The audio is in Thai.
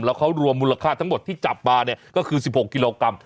แล้วเขารวมมูลค่าทั้งหมดที่จับมาเนี่ยก็คือ๑๖กิโลกรัม